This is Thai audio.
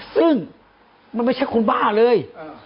ซึ่งมันไม่ใช่คนบ้าเลย